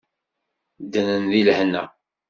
Ddren deg lehna.